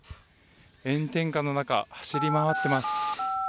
炎天下の中、走り回ってます。